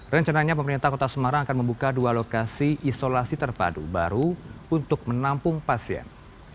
rencananya pemerintah kota semarang akan membuka dua lokasi isolasi terpadu baru untuk menampung pasien